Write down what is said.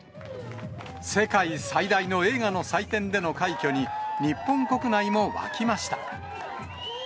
世界最大の映画の祭典での快挙に、日本国内も沸きました。